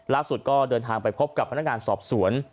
ลักษฐุ์สุดก็เดินทางไปพบกับพนักงานสอบสวน